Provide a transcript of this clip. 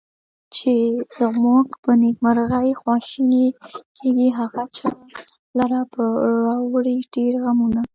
چې زمونږ په نیکمرغي خواشیني کیږي، هغه چا لره به راوړي ډېر غمونه